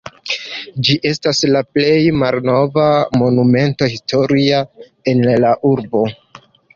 Ĝi estas la plej malnova Monumento historia en la urbo.